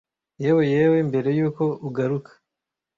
'Yewe, wewe, mbere yuko uguruka